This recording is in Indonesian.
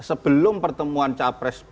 sebelum pertemuan capres